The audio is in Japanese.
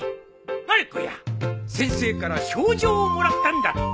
まる子や先生から賞状をもらったんだって？